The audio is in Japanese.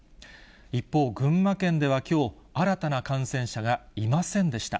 一方、群馬県ではきょう、新たな感染者がいませんでした。